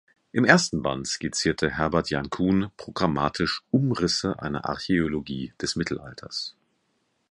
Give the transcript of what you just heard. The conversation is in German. Im ersten Band skizzierte Herbert Jankuhn programmatisch „Umrisse einer Archäologie des Mittelalters“.